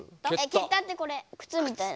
「けった」ってこれくつみたいな。